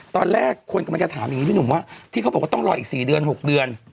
ตอนแรกคนกำลังจะถามอย่างนี้พี่หนุ่มว่าที่เขาบอกว่าต้องรออีก๔เดือน๖เดือน